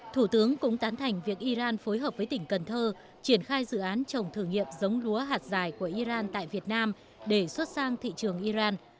thủ tướng cũng tán thành việc iran phối hợp với tỉnh cần thơ triển khai dự án trồng thử nghiệm giống lúa hạt dài của iran tại việt nam để xuất sang thị trường iran